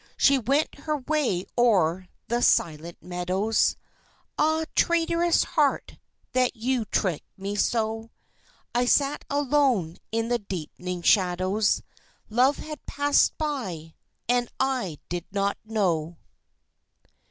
She went her way o'er the silent meadows, (Ah, traitorous heart that you tricked me so!) I sat alone in the deepening shadows Love had passed by and I did not know.